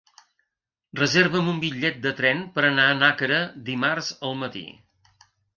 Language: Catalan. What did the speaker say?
Reserva'm un bitllet de tren per anar a Nàquera dimarts al matí.